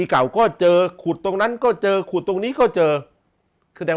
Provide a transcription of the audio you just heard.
เก่าก็เจอขุดตรงนั้นก็เจอขุดตรงนี้ก็เจอคือแสดง